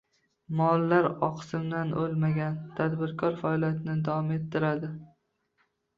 Mollar oqsimdan o‘lmagan, tadbirkor faoliyatni davom ettiradi